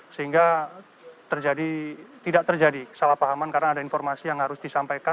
sehingga tidak terjadi kesalahpahaman karena ada informasi yang harus disampaikan